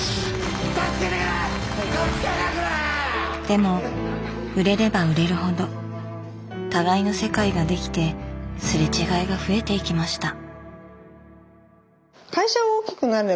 でも売れれば売れるほど互いの世界ができてすれ違いが増えていきました。